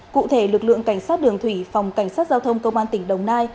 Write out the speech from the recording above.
cụ thể lực lượng cảnh sát đường thủy phòng cảnh sát giao thông công an tỉnh đồng nai